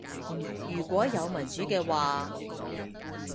如果有民主嘅話